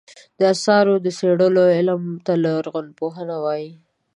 د اثارو څېړلو علم ته لرغونپوهنه وایې.